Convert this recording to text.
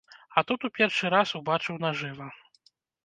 А тут у першы раз убачыў нажыва.